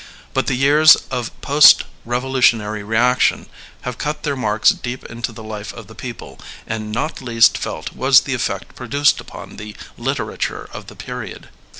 But the years of post revolutionary reaction have cut their marks deep into the life of the people; and not least felt was the effect produced upon the lit erature of the period.